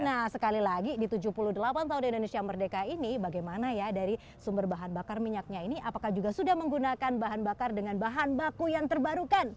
nah sekali lagi di tujuh puluh delapan tahun indonesia merdeka ini bagaimana ya dari sumber bahan bakar minyaknya ini apakah juga sudah menggunakan bahan bakar dengan bahan baku yang terbarukan